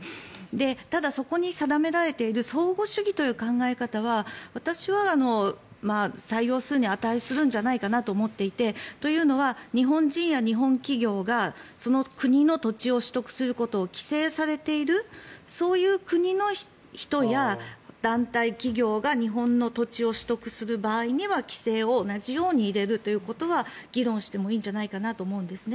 ただそこに定められている相互主義という考え方は私は採用するに値するのではと考えていてというのは日本人や日本企業がその国の土地を取得することを規制されているそういう国の人や団体、企業が日本の土地を取得する場合には規制を同じように入れるということは議論してもいいんじゃないかなと思うんですね。